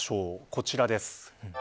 こちらです。